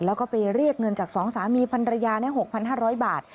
แล้วก็ไปเรียกเงินจาก๒สามีพันรยา๖๕๐๐บาท